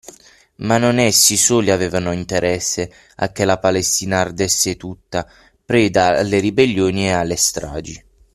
Ma non essi soli avevano interesse a che la Palestina ardesse tutta, preda alle ribellioni e alle stragi.